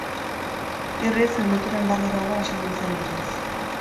Irriz, minuturen bat geroago hasi nintzen irriz.